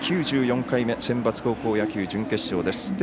９４回目センバツ高校野球準決勝です。